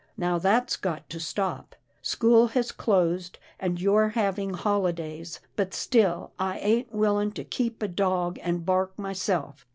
Now that's got to stop. School has closed, and you're having holidays, but still I ain't willing to keep a dog and bark myself.